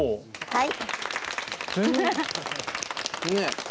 はい。